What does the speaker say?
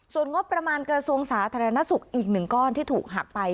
ส่วนงบประมาณกระทรวงสาธารณสุขอีก๑ก้อนที่ถูกหักไป